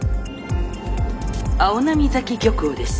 青波崎漁港です。